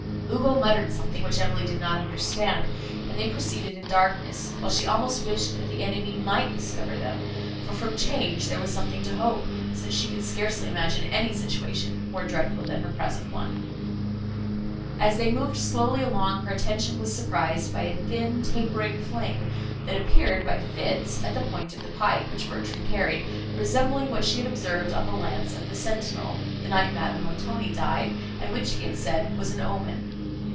Ugo muttered something, which Emily did not understand, and they proceeded in darkness, while she almost wished, that the enemy might discover them; for from change there was something to hope, since she could scarcely imagine any situation more dreadful than her present one. As they moved slowly along, her attention was surprised by a thin tapering flame, that appeared, by fits, at the point of the pike, which Bertrand carried, resembling what she had observed on the lance of the sentinel, the night Madame Montoni died, and which he had said was an omen.